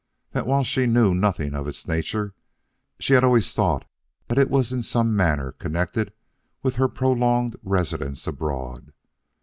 That while she knew nothing of its nature, she had always thought that it was in some manner connected with her prolonged residence abroad.